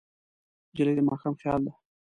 نجلۍ د ماښام خیال ده.